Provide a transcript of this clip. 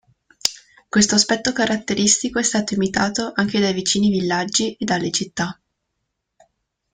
Questo aspetto caratteristico è stato imitato anche dai vicini villaggi e dalle città.